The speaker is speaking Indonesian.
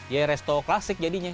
ya restorasi klasik jadinya